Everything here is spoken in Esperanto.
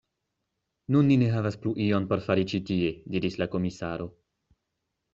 Nun ni ne havas plu ion por fari ĉi tie, diris la komisaro.